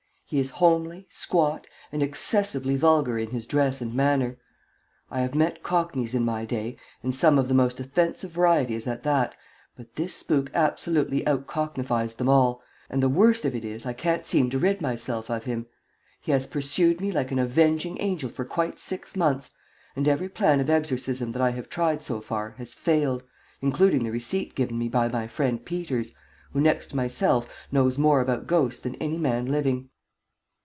He is homely, squat, and excessively vulgar in his dress and manner. I have met cockneys in my day, and some of the most offensive varieties at that, but this spook absolutely outcocknifies them all, and the worst of it is I can't seem to rid myself of him. He has pursued me like an avenging angel for quite six months, and every plan of exorcism that I have tried so far has failed, including the receipt given me by my friend Peters, who, next to myself, knows more about ghosts that any man living.